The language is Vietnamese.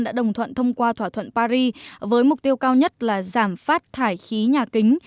đã đồng thuận thông qua thỏa thuận paris với mục tiêu cao nhất là giảm phát thải khí nhà kính